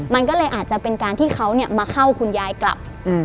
มันก็เลยอาจจะเป็นการที่เขามาเข้าคุณยายกลับ